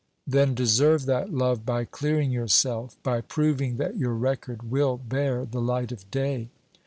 "Then deserve that love by clearing yourself, by proving that your record will bear the light of day!"